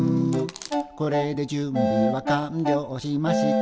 「これで準備は完了しました」